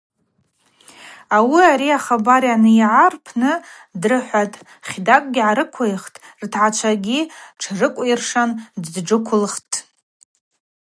Ауи ари ахабар анйагӏа рпны дрыхӏватӏ, хьатӏакӏв гӏарыквихтӏ, ртгӏачвагьи тшрыкӏвйыршан дджвыквылтӏ.